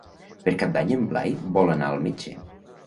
Per Cap d'Any en Blai vol anar al metge.